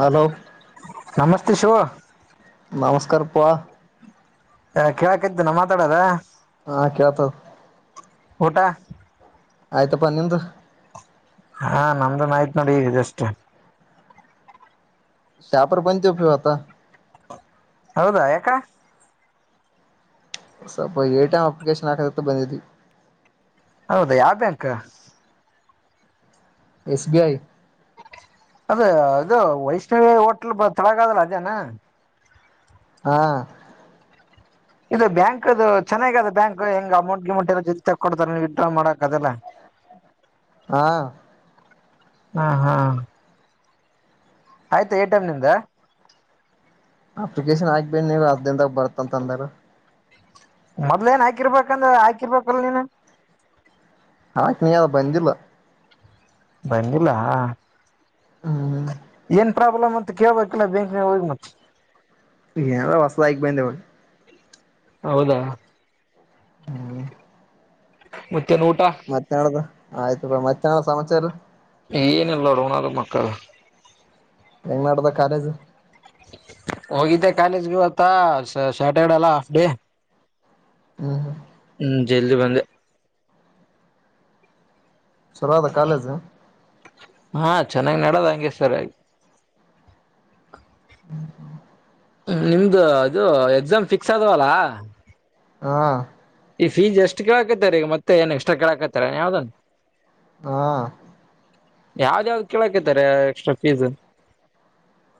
Hello ಏ ಶಿವು ನಮಸ್ಕಾರ ಪಾ. ಹ ಕೇಳಕತ್ತೆನ ಮಾತಾಡದ ಹಾ ಕೇಳ್ತದ್ ಊಟ ಆಯ್ತಪ್ಪ ನಿಮ್ದು? ಹಾ ನಮ್ದುನು ಆಯ್ತ್ ನೋಡ್ ಈಗ್ ಜಸ್ಟ್. ಶಾಪರ ಬಂದಿಪ್ ಇವತ್ತ. ಹೌದಾ ಯಾಕ? ಸೊಪ್ಪ ಎ ಟಿ ಎಂ ಅಪ್ಲಿಕೇಶನ್ ಹಾಕದಿತ್ತು ಬಂದಿದ್ವಿ. ಹೌದಾ ಯಾವ ಬ್ಯಾಂಕ್? ಎಸ್ ಬಿ ಐ ಅದ ಅದು ವೈಷ್ಣವಿ ಹೋಟ್ಲ್ ಬ ತಳಗಾದಲ ಅದೇನಾ? ಹಾ ಇದು ಬ್ಯಾಂಕ್ದು ಚೆನ್ನಾಗ ಅದ ಬ್ಯಾಂಕ್ ಹೆಂಗ ಅಮೌಂಟ್ ಗಿಮೌಂಟ್ ಎಲ್ಲ ಜೊತ್ ತಕೊಡ್ತಾರೆ ವಿತ್ಡ್ರಾ ಮಾಡಕ್ ಅದೆಲ್ಲ. ಹಾ ಆ ಹಾ ಆಯ್ತ ಎ ಟಿ ಎಂ ನಿಂದು ಅಪ್ಲಿಕೇಶನ್ ಹಾಕ್ ಬಂದೀನಿ ಹತ್ತ್ ದಿನದಾಗ ಬರತ್ತಂತ ಅಂದಾರ. ಮೊದ್ಲ ಏನ್ ಹಾಕಿರ್ಬೇಕಂದ್ರ ಹಾಕಿರ್ಬೇಕಲ್ ನೀನು ಹಾಕಿನಿ ಅ ಬಂದಿಲ್ಲ ಬಂದಿಲ್ಲಾ ಹ್ಮ್ ಏನ್ ಪ್ರಾಬ್ಲಮ್ ಅಂತ ಕೇಳ್ಬೇಕಿಲ್ಲ ಬ್ಯಾಂಕ್ನಾಗ್ ಹೋಗಿ ಮತ್ ಏನೇನೋ ಹೊಸದಾಗಿ ಬಂದ್ಯಾವ ಹೌದಾ? ಹ್ಮ್ [unintelligible] ಮತ್ತೇನಡದ ಆಯ್ತು ಬಿಡು ಮತ್ತೇನ ಸಮಾಚಾರು? ಏನಿಲ್ಲ ನೋಡದು ಮಕ್ಕಳ ಹೆಂಗ್ ನಡ್ದ ಕಾಲೇಜು? ಹೋಗಿದ್ದೆ ಕಾಲೇಜ್ಗೆ ಇವತ್ತ ಶಾ ಸ್ಯಾಟರ್ಡೆ ಅಲ್ಲ ಹಾಫ್ ಡೇ ಹ್ಮ್ ಹ್ಮ್ ಹ್ಮ್ ಜಲ್ದಿ ಬಂದೆ. ಛಲೋ ಅದ ಕಾಲೇಜು? ಹಾಂ ಚೆನ್ನಾಗ್ ನಡೆದ್ ಹಂಗೆ ಸರಿಯಾಗಿ ಹ್ಮ್ ಹ್ಮ್ ನಿಮ್ದು ಅದು ಎಕ್ಸಾಮ್ ಫಿಕ್ಸ್ ಆದವಲ್ಲಾ? ಆ ಈ ಫೀಸ್ ಎಷ್ಟ್ ಕೆೇಳಾಕತ್ತಾರೆ ಈಗ ಮತ್ತೆ ಏನ್ ಎಕ್ಸ್ಟ್ರಾ ಕೆೇಳಾಕತ್ತಾರ ಯಾವ್ದನ್ ಹಾಂ ಯಾವ್ದ್ ಯಾವ್ದ್ ಕೇಳಕತಾರೆ extra fees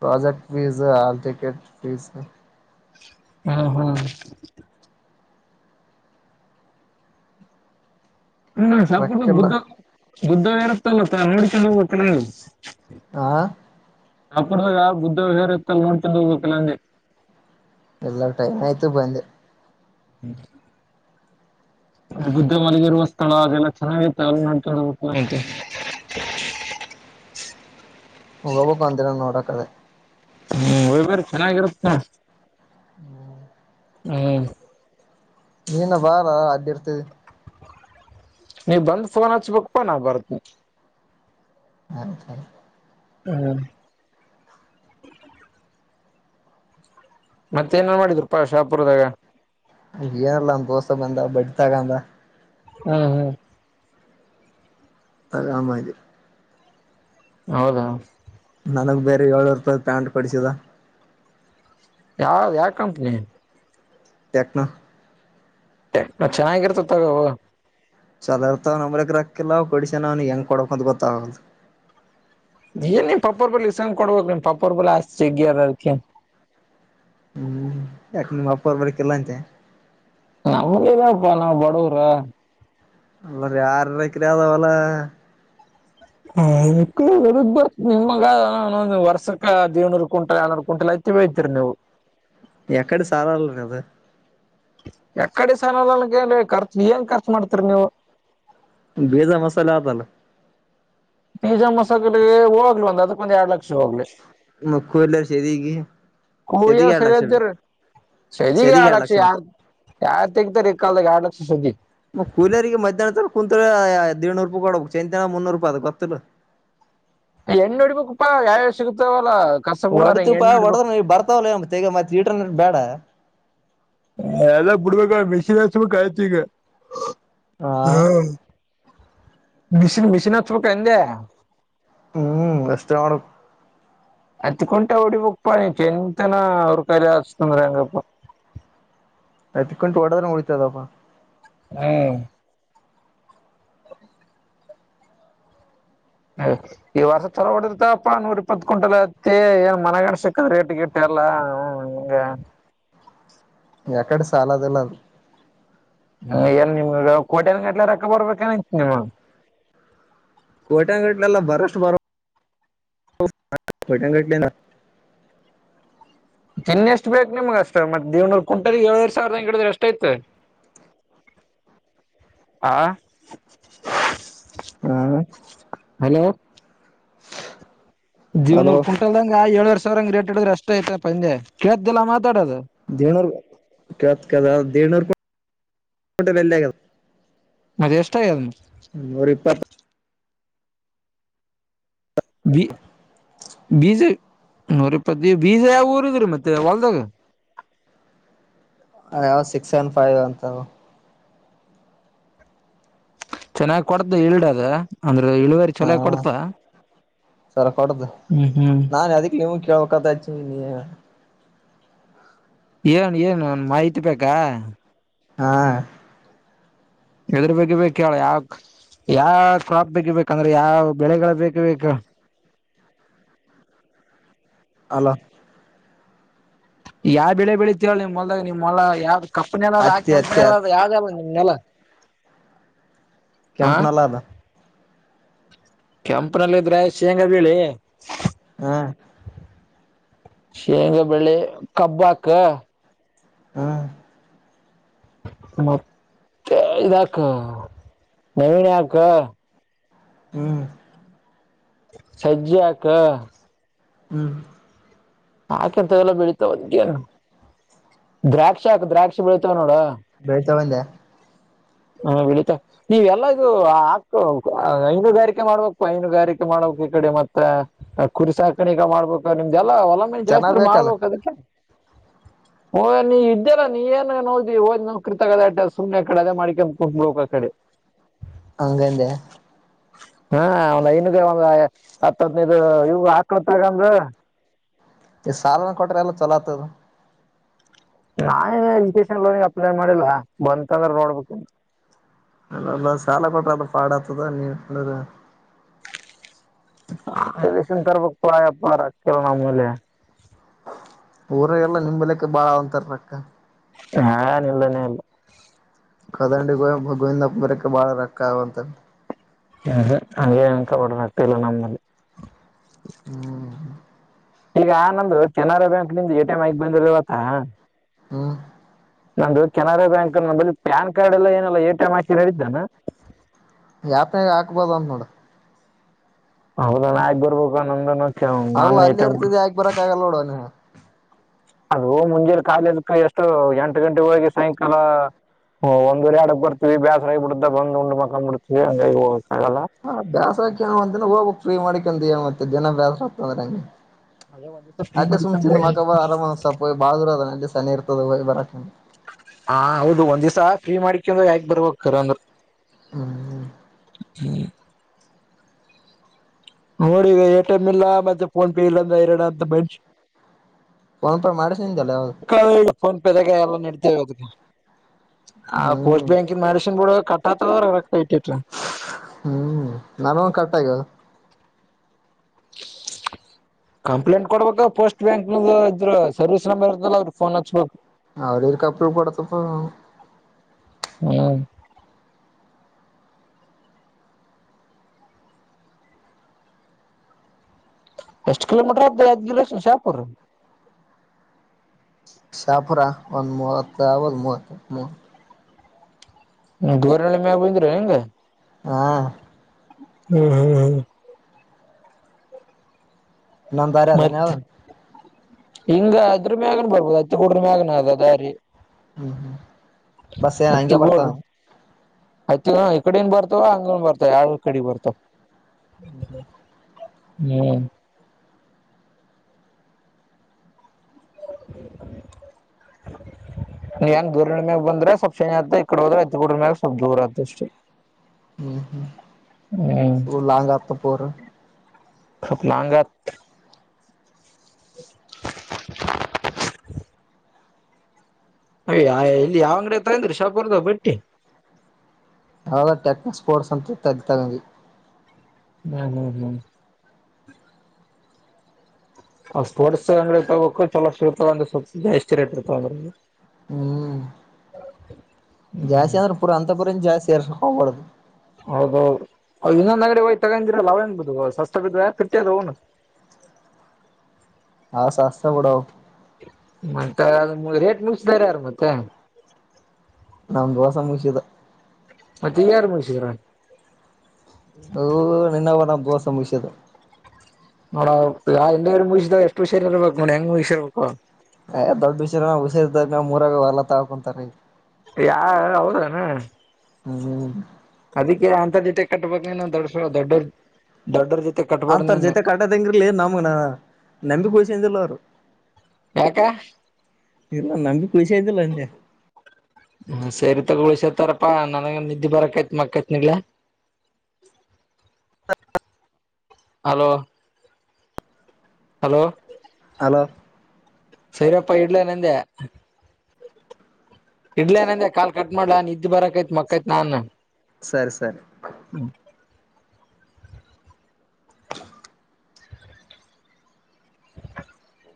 project fees hall ticket fees ಹಾಂ ಹಾಂ [unintelligible] ರೊಕ್ಕಿಲ್ಲ ಬುದ್ದ ಇರುತ್ತಲ್ಲತ್ತ ನೋಡ ಚಂದ್ ಹೋಗ್ಬೇಕ ನಗೆ ಆ ನಪಡದಾಗ ಬುದ್ಧ ವಿಹಾರತ್ತ ನೋಡ್ತೊಂಡ ಹೋಗ್ಬೇಕಲ್ಲಂದೆ ಎಲ್ಲ ಟೈಮ್ ಆಯ್ತು ಬಂದ ಹ್ಮ್ ಬುದ್ದ ಮಲಗಿರುವ ಸ್ಥಳ ಅದೆಲ್ಲ ಚೆನ್ನಾಗಿತ್ತು ಅಲ್ಲಿ ನೋಡಬೇಕು [inaudible] ಹ್ಮ್ ಒಯ್ ಬೇ್ರ ಚೆನ್ನಾಗಿರುತ್ತ [inaudible] ಹ್ಮ್ ನೀನ್ನ ಬಾರ ಅಡ್ದ ಅತ ನೀ್ ಬಂದ್ ಫೋನ್ ಹಚ್ಬೇಕಕ್ಪ್ಪಾ ನಾ ಬರ್ತನಿ [inaudible] ಹ್ಮ್ ಮತ್ತೆ ಏನೇನ್ ಮಾಡಿದ್ರುಪ್ಪಾ ಶಾಪುರದಾಗ [inaudible] ಹ್ಮ್ ಹ್ಮ್ ಹರಾಮ ಹೌದಾ ನನಗೆ ಬೇರೆ ಏಳೂರು ರೂಪಾಯಿ್ ಪ್ಯಾಂಟ್ ಕೊಡಿಸಿದ ಯಾವ ಯಾವ ಕಂಪನಿ ಟೆಕ್ನ ಟೆಕ್ನೋ ಚೆನ್ನಾಗಿರ್ತ ತಗುವ ಚಲರ್ತ ನಂಬ್ರಕ ರಾಕ್ಕಿಲ್ಲ ಕೊಡಸನ ಅವನಿಗೆ ಹೆಂಗ ಕೊಡಕ್ ಅಂತ ಗೊತ್ತದು ಏ ನಿ್ ಪಪ್ಪರ್ ಬಳ ಇಸನ್್ ಕೊಡ್ಬೇಕು ನಿಮ್ ಪಾಪರ್ ಬಳ ಆಸ್ತಿ ಜಗ್ಗಾರ ಅದಕ ಹ್ಮ್ ಯಾಕ ನಿಮ್ ಅಪ್ಪ ಅವರ್ ಬರಕಲ್ಲ ಅಂತೆ ನಮ್ಮೇದಾಪ್ಪ ನಾ ಬಡೂರ ಅಲ್ಲ ಯಾರು ರಕ್ಕ್ರದ ಅವಲ ಹ ನಿಮಗ ವರ್ಷಕ್ಕದ್ ಏನೂರು ಕ್ವಿಂಟಲ್ ರನೂರ್ ಕ್ವಿಂಟಲ್ ಐತಿ ಬಯತಿರಿ ನೀವು ಎಕ್ಕಡೆ ಸಾರಲ್ಲರು ಕದ ಯ ಕಡೆ ಸಾನನಗೆ ಖರ್ಚು ಏನ್ ಖರ್ಚು ಮಾಡ್ತರಿ ನೀವು ಬೇಜಾ ಮಸಾಲೆ ಆತಲ್ಲ ಬೀಜ ಮೊಸಕಡೆ ಹೋಗ್ಲ ಒಂದ್ ಅದಕ್ಕೊಂದ್ ಎರಡ್ ಲಕ್ಷ [inaudible] ಕೂದಲ ಸೆದಿಗಿ ಸೆದಿಗೆ ಎರಡ್ ಲಕ್ಷ ಬೇಕು ಸೆದಿಗೆ ಎರಡ್ ಲಕ್ಷ ಬೇಕು ಗ ಏಳ್ನೂರು ರೂಪಾಯಿ ಕೊಡಬೇಕು ಚೈಂತನ ಮುನ್ನೂ ರೂಪಾಯಿ ಅದ ಗೊತ್ತ ಎಣ್ಣ ನೋಡಿಬೇಕಪ್ಪಾ ಯಾವ್ಯಾವ ಸಿಗತಾವಲ್ಲ ಒಡತು ಪಾ ಹೊಡದ್ರ ಬರ್ತಾವಲ್ಲ ತೇಗ ಮತ್ತೆ ಈ ಬೇಡ ಎಲ್ಲ ಬಿಡ್ಬೇಕ ಮೆಷನ್ ಹಸ್ಬೇಕ ಆಯತಿ ಈಗ ಹಾ ಮಷನ್ ಮಷಿನ ಚೂಟ್ ಅಂದೆ ಹ್ಮ್ ಅಷ್ಟೇ ಮಾಡ ಹತ್ತು ಕುಂಟೆ ಹೊಓಡಿ ಬುಕ್ ಪಣಿ ಎಂತನ ಅವ್ರ ಕಲೆ ಹಚ್ತಂದ್ರಂಗಪ್ಪ ಐತ್ ಕುಂಟು ಒಡದ್ರೆ ಮುಡಿತದಪ್ಪ ಹ್ಮ್ ಈ ವರ್ಷ ತಲೋ ಹೊಡತಪ್ಪ ನೂರ್ ಇಪ್ಪತ್ ಕಂಟಲ್ ಐತಿ ಏನ್ ಮನಗಾಣ್ಸಿಕ ರೇಟ್ ಗಿಟ್ಟ ಎಲ್ಲಾ ಹ ಹಂಗ ಎಕಡೆ ಸಾಲ ದಲ್ಲದು ಹ ಏನ್ ನಿಮ್ಗ ಕೋಟ್ಯನ್ ಗಟ್ಲೆ ರೊಕ್ಕ ಬರ್ಬೇಕನತಿ ನಿಮ ಕೋಟ್ಯಾನ್ ಗಟಲೆನಾ ಬರಷ್ಟ ಬರ [inaudible] ಇನ್ನು ಎಷ್ಟು ಬೇಕು ನಿಮ್ಗ ಅಷ್ಟ ಮತ್ತ ದೇವ್ನರು ಕಿಂಟ್ಟಲಿಗೆ ಏಳುವರೇ ಸಾವಿರ ಹಿಡಿದ್ರೆ ಎಷ್ಟು ಆಯ್ತು ಆ ಹ್ಮ್ [inaudible] ಹಲೋ. ಹಲೋ ದೇವನೂರು ಕುಂಟಲಿದಂಗೆ ಏಳು ವರ್ಷ... [unintelligible] ಾವರ ರೇಟ್ ಹೀಡಿದ್ರೆಷ್ಟ ಐತ ಅಪ್ಪ ಅಂದೆ ಕೇಳ್ದೆಲ್ಲ ಮಾತಾಡೋದು [inaudible] ದೇನು ಕತ್ ಕದ ದೇನೂರ್ [unintelligible] ಅ ಬಲ್ಲೆಗೆ ಅದ ಎಷ್ಟ ಆಗ್ಯದ ನೂರುಇಪತ್ತು.. ಬಿ ಬೀಜ ನೋರಿಪ್ಪತ್ತು ಬೀಜ ಯಾವ ಊರಿದ್ರೀ ಮತ್ತೆ ಹೊಲ್ದಾಗ ಅದ ಸಿಕ್ಸ್ ನ್ ಫೈವ್ ಅಂತ ಚೆನ್ನಾಗ್ ಕೊಡ್ದ ಇಲ್ಡ್ ಅದ ಅಂದ್ರ ಇಳುವರಿ ಹಾ ಚಲೋ ಕೊಡ್ತ ಸರ ಹೊಡ್ದ್ ಹ್ಮ್ ಹ್ಮ್ ನಾನ ಅದಿಕ್ ನೀವು ಕೇಳ್ಬೇಕಂತ ನೀ.. ಏನ್ ಏನ್ ಮಾಹಿತಿ ಬೇಕಾ ಹಾ ಎದುರ್ ಬಗ್ಗೆ ಬೇಕ್ ಕೇಳ್ ಯಾಕ್ ಯಾವ್ ಕ್ರಾಪ್ ತೆಗಿಬೇಕಂದ್ರೆ ಯಾವ್ ಬೆಳೆಗಳ ಬೇಕೆ ಬೇಕು ಹಲೋ ಯಾ ಬೆಳೆ ಬೆಳಿತಿರೋ ನಿಮ್ ಹೊಲ್ದಾಗ್ ನಿಮ್ ಹೊಲ ಯಾವ್ದ್ ಕಪ್ ನೆಲದ ಹತ್ತಿ ಕೆಂಪ್ ಹತ್ತಿ ಹತ್ ನೆಲದ ಯಾವ್ದ್ ಅದ ನಿಮ್ ನೆಲ? ಹ ಕೆಂಪ್ ನೆಲ ಅದ. ಕೆಂಪ್ ನೆಲ ಇದ್ರೆ ಶೇಂಗಾ ಬೆಳಿ. ಆ ಶೇಂಗ ಬೆಳಿ ಕಬ್ ಹಾಕ ಹಾಂ ಮತ್ತೆ ಇದಾಕ ನವಿಣೆ ಹಾಕ. ಹ್ಮ್ ಸಜ್ಜೆ ಹಾಕ ಹ್ಮ್ ಹಾಕಿರ್ತವೆಲ್ಲ ಬೆಳಿತಾವ್ ಅದ್ಕೇನು ದ್ರಾಕ್ಷ ಹಾಕು ದ್ರಾಕ್ಷ ಬೆಳಿತಾವ್ ನೋಡ. ಬೆಳ್ತ ಬಂದ್ಯ ಹ ಬೆಳೀತಾ ನೀವ್ ಎಲ್ಲಾ ಇದು ಹಾಕೋಬೇಕು ಐನುಗಾರಿಕೆ ಮಾಡ್ಬೇಕು ಐನುಗಾರಿಕೆ ಮಾಡ್ಬೇಕ್ ಈ ಕಡೆ ಮತ್ತೆ ಕುರಿ ಸಾಕಾಣಿಕೆ ಮಾಡ್ಬೇಕು ನಿಮ್ದೆಲ್ಲಾ ಆಮೇಲ್ ಜನ ಜಾಸ್ತಿ ಬೇಕಲ್ಲ ಮಾಡ್ಬೇಕು ಅದುಕ್ಕೆ ಓ ನೀ ಇದೆಲ್ಲಾ ನೀ ಏನ ನೋಡ್ದಿ ಹೋದ್ ನನ್ [unintelligible] ಸುಮ್ನೆ ಕಡೆಮಿ ಮಾಡಿಕೊಂಡ್ ಕುಂದ್ಕೊಬೇಕ್ ಆ ಕಡೆ ಅಂಗಂದ ಹಾ ಲೈನಿಗೆ ಒಂದು ಹತ್ತ ಹತ್ನದು ಇವ ಹಾಕಳತಗಂದ [unintelligible] ಈ ಸಾಲನ ಕೊಟ್ರೆ ಎಲ್ಲ ಚಲೋ ಆಗ್ತದ ನಾನೇ ಎಜುಕೇಶನ್ ಲೋನ್ಗೆ ಅಪ್ಲೈ ಮಾಡಿಲ್ಲ ಬಂತಂದ್ರೆ ನೋಡ್ಬೇಕ [unintelligible] ಅಲ್ಲಲ್ಲ ಸಾಲ ಕೊಟ್ರದ್ರ ಪಾಡ್ ಆತದ [unintelligible] [unintelligible] ತರಬೇಕ ಪ ಬಾರ [unintelligible] ನಮಲೆ [unintelligible] ಊರಾಗೆಲ್ಲ ನಿಂಬಲಕ್ಕೆ [unintelligible] ಹಾನ್ ಇಲ್ಲನೇ ಇಲ್ಲ [unintelligible] ಕದಂಡಿ ಗವಿಂದಪ್ಪ ಬರಕ್ಕೆ ಬಾಳ ರೊಕ್ಕ ಆಗುವಂತ [unintelligible] ಅಂಗೆ ಅಂಗೇನಂಕೋಬೇಡ ರೊಕ್ಕ ಇಲ್ಲ ನಮ್ಮಲ್ಲಿ ಹ್ಮ್ ಈಗ ನಂದು ಕೆನರಾ ಬ್ಯಾಂಕ್ ನಿಂದ ಎಟಿ ಎಂ್ ಐಗ್ ಬಂದಿರ ಇವತ್ತ ಹ್ಮ ನಂದುು ಕೆನರಾ ಬ್ಯಾಂಕ್ ನಂದು ಪ್ಯಾನ್ ಕಾರ್ಡ್ ಎಲ್ಲ ಏನಲ್ಲ ಎ ಟಿ ಎಂ ಹಾಕ್ಕಿದ್ರೆ ನಡೆಯುತ್ತ ಏನು ಅಪ್ಪನ್ಗಾ ಹಾಕ್ಬೋದ ಅಂದ್ ನೋಡ ಹೌದಾ ಅಣ್ಣ ಹಾಕ್ ಬರ್ಬೇಕು ನಂದನು ಅಲ್ಲ ನಾನು ಎ ಅಲ್ಲಿ ಟಿ ಎಂ ಇರ್ತದೆ ಹಾಕಿ ಬರಕ್ ಆಗಲ್ಲ ನೋಡವಣ ಅದು ಮುಂಜ ಕಾಲೇಜಕ ಎಷ್ಟು ಎಂಟು ಗಂಟೆ ಹೋಗಿ ಸಾಯಂಕಾಲ ಒಂದುವರೆ ಆಡಕ್ ಬರ್ತೀವಿ ಬ್ಯಾಸ್ರಗ ಬಿಿಡ್ದ ಬಂದು್ ಉಂಡ್ ಮಕಾ ಬಿಡ್ತವಿ ಹಂಗಾಗಿ ಹೋಗಲ್ಲ ಹಾ ಬ್ಯಾಸರಕನ ಒಂದಿನ ಹೋಗಬೇಕು ಮಾಡಿಕಂತ ಮತ್ತೆ ದಿನ ಬ್ಯಾಸ್ರಮಾಡ್ಕೊಂಡ್ರೆ ಹೆಂಗೆ ಅಲ್ಲೆ ಸುಮ ತಿಂದು ಮಕಂಬ್ಧ್ ಆರಾಮ ಅನ್ಸತ ಬಾಲ್ ದೂರ ಅದ ಅಲ್ ಚನ್ನ ಇರ್ತದ ಒಯ್ಬರಕ್ಕೆ. ಹಾ ಹೌದು ಒಂದ್ ದಿವಸ ಫ್ರೀ ಮಾಡಿಕಂದ ಹಾಕಿ ಬರ್ಬೇಕ್ ಕರ್ಂದ್ರು. ಹ್ಮ್ ಹ್ಮ ಹ್ಮ್ ನೋಡಿ ಈಗ ಎ ಟಿ ಎಂ ಇಲ್ಲ ಮತ್ತೆ ಫೋನ್ ಪೇ ಇಲ್ಲಂದ್ರ ಐರಣ ಅಗೆತಿ ಮಾನ್ಸ್ ಫೋನ್ ಪೇ ಮಾಡಿಸಿಂದಲ್ಲ ಯಾವ್ದ [inaudible] ಫೋನ್ ಪೆ ದಾಗೆ ಎಲ್ಲ ನಡೆ [unintelligible] ಅ ಕೋಸ್ಟ್ ಹ್ಮ್ ಬ್ಯಾಂಕಿಂದು ಮಾಡ್ಸಿನಿಬೀಡು ಕ [unintelligible] ಹ್ಮ್ ನನುನ್ ಕಟ್ ಆಗೇದ. ಕಂಪ್ಲೇಂಟ್ ಕೊಡ್ಬೇಕ ಪೋಸ್ಟ್ ಬ್ಯಾಂಕ್ ಇದ್ರ ಸರ್ವಿಸ್ ನಂಬರ್ ಇರ್ತಲ್ಲ ಅವ್ರ ಫೋನ್ ಹಚ್ಬೇಕು. ಅವರು ಕಪ್ಪಳ ಪಡತಪ್ಪ. ಹ್ಮ್ ಎಷ್ಟು ಕಿಲೋಮೀಟರ್ ಆಗುತ್ತೆ ಯಾದಗಿರಿ ಕೆಸಿ ಶಾಪುರ್. ಶಫರು ಒಂದು ಮೂವತ್ತು ಆಗ್ಬೋದು ಮೂವತ್. ದೋರ್ಳ ಮೇಬಂದ್ರೆ ಹೆಂಗೆ. ಹಾ ಹ್ಮ್ ಹ್ಮ್ ಹ್ಮ್ ನಂದಾರ ಅದನೆ ಮತ್ ಯದ ಹಿಂಗ ಅದ್ರ ಮ್ಯಗನ್ ಬರ್ಬೋದು ಅತ್ತ ಕೂಡ್ರ ಮ್ಯಗನ್ ಆಗ ದಾರಿ ಹ್ಮ್ ಹ್ಮ್ ಬಸ್ ಏನ್ ಹಂಗೆ ಬರ್ತಾನ ಆಯ್ತ ಈ ಕಡನ್ ಬರ್ತವ ಹಂಗನ್ ಬರ್ತಾವ ಯಾವ ಕಡೆ ಬರ್ತಾವ [inaudible] ಹ್ಮ್ ನೀ ಏನ್ ದೂರ ಮ್ಯಾಗ ಬಂದ್ರೆ ಸ್ವಲ್ಪ್ ಶನಿ ಆತ ಈ ಕಡೆ ಹೋದ್ರೆ ಇತ್ಕಡ್ರ ಮ್ಯಾಗ ಸ್ವಲ್ಪ್ ದೂರ ಆತ ಅಷ್ಟೆ ಹ್ಮ್ ಹ್ಮ್ ಫುಲ್ ಲಾಂಗತ ಪರ ಸ್ವಲ್ಪ ಲಾಂಗತ್ [inaudible] ಅಯ ಇಲ್ಲಿ ಯಾವ ಅಂಗಡತಂದ್ರರಿ ಶಾಪರ್ದ ಬಟ್ಟಿ ಯಾವ್ದ ಟೆಕ್ನ ಸ್ಪೋರ್ಟ್ಸ್ ಅಂತ ತ ತಗಿ ಹ್ಮ ಹ್ಮ ಹ್ಮ ಸ್ಪೋರ್ಟ್ಸ್ ಅಂಗ ತಬೇಕು ಚಲೋಷ್ಟರ್ತಂದ್ರ ಸ್ವಲ್ಪ ಜಾಸ್ತಿ ರ ಇಟ್ಿರ್ತವ ಅಂದ್ರ ಹ್ಮ್ ಹ್ಮ್ ಜಾಸ್ತಿ ಅಂದ್ರೆ ಪುರ ಅಂತ ಪುರ ಜಾಸ್ತಿ ಸೇರ್ ಸ ಕಬಡದು ಹೌದೌದು ಇನ್ನೊಂದ್ ಅಂಗಡೆ ಹೋಗಯ್ ತಗಂದಿರಲ್ಲ ಅವೇನ್ ಬ ಸಸ್ತ ಬಿದ ಕಟ್ಟ ಅದ ಅವನು ಹಾ ಸಸ್ತ ಬಡ ಮತ್ತ ಅ ರೇಟ್ ಮುಗಸ್ದಾರಾರ ಮತ್ತೆ ನಂಬುವ ಸಂಭಷದ ಮತ್ತೆ ಈ ಯಾರು ಮುಳ್ಸಿದ್ರ ಹ ನಿನ್ನ ನ ಗೋ ಸಂಭಷದು ನೋಡ ಎವ್ರು ಮುಗಿಸಸಿದ ಎಷ್ಟುಷಾರಾರಿ ಇರ್ಬೇಕು ನೋಡ ಹೆಂಗ್ ಮುಗಿಸಿಿ ಇರ್ಬೇಕು ದೊಡ್ಡ ವಿಷಯ ಹಷೇರ್ ಮೂರಾಗ ಹೊಲ ತಕೊಂತಾರೆ ಈ ಯಾರ ಅವೌದಾನ ಹ್ಮ್ ಹ್ಮ ಅದಕ್ಕೆ ಅಂತ ಜೊತೆ ಕಟ್ಟಬ ದೊಡ್ಡ ಸ ದೊಡ್ಡ ದೊಡ್ಡರ ಜೊತೆ ಕಟ್ಬಾರ್ದ್ ಅಂತರ ನೀನು ಜೊತೆ ಕಟ್ಟದಂಗಿರ್ಲಿನ್ ನಮ್ಗನ ನಂಬಿ ಚಂದಲರು ಯಾಕ್ಕ ಇಲ್ಲ ನಂಗಗೆ ಪಸ ಆ್ದಲ್ಲ ಎಂತೆ ಉಳಿಸತಾರಪ್ಪಾ ನನಗೆ ನಿದ್ದೆ ಬರಕೈತ್ ಮಕ್ಕೈತ್ ನಿಗ್ಲ ಹಲೋ ಹಲೋ ಹಲ ಸೈರಪ್ಪ ಇಡ್ಲ ನಂದೆ ಇಡ್ಲ ಏನಂದೆ ಕಾಲ್ ಕಟ್ ಮಾಡಲಾ ಇದ್ ಬರಕ್ ಮ ಮಕ್ಕೈತ್ ನಾಾನ ಸರಿ ಸರಿ [inaudible]